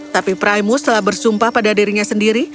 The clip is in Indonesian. tapi primus telah bersumpah pada dirinya sendiri